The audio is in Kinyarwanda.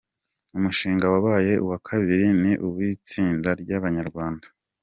Umushinga wabaye uwa kabiri ni uw’itsinda ry’abanyarwanda